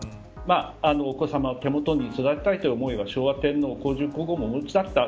お子さまを手元に育てたいという思いは昭和天皇も皇后もお持ちだった。